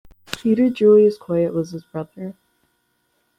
Peter Julius Coyet was his brother.